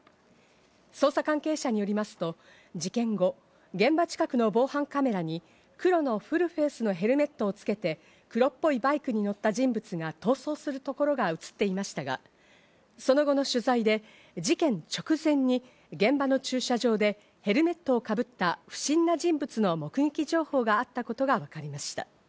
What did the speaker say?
捜査関係者によりますと事件後、現場近くの防犯カメラに黒のフルフェースのヘルメットをつけて黒っぽいバイクに乗った人物が逃走するところが映っていましたが、その後の取材で事件直前に現場の駐車場でヘルメットをかぶった不審な人物の目撃情報があったことが分かりました。